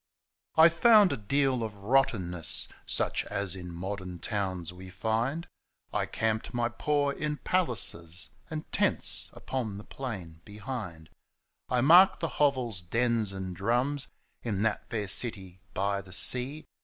2 WHEN I WAS KING I found a deal of rottenness, Such as in modem towns we find ; I camped my poor in palaces And tents upon the plain behind. I marked the hovels, dens and drums In that fair city by the sea.